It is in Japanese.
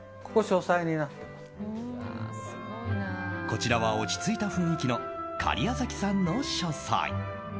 こちらは落ち着いた雰囲気の假屋崎さんの書斎。